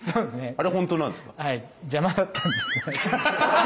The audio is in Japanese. あれホントなんですか？